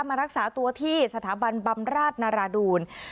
มารักษาตัวที่สถาบันบำราชนาราดูล